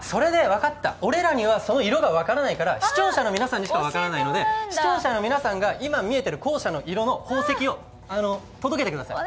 分かった俺らにはその色が分からないから視聴者の皆さんしか分からないので視聴者の皆さんが今、見えている校舎の色の宝石を届けてください。